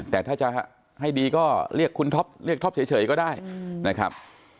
แต่ถ้าจะให้ดีก็เรียกคุณท็อปเรียกท็อปเฉยก็ได้นะครับ